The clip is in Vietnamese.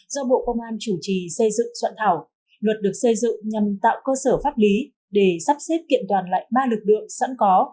do bộ công an chủ trì xây dựng soạn thảo luật được xây dựng nhằm tạo cơ sở pháp lý để sắp xếp kiện toàn lại ba lực lượng sẵn có